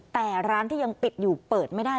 แต่ร้านที่ยังปิดอยู่เปิดไม่ได้